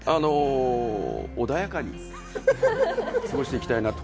穏やかに過ごしていきたいなと。